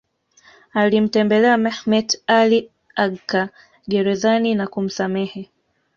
Alimtembelea Mehmet Ali Agca gerezani na kumsamehe